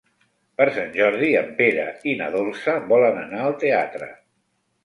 Per Sant Jordi en Pere i na Dolça volen anar al teatre.